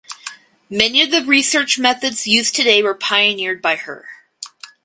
Many of the research methods used today were pioneered by her.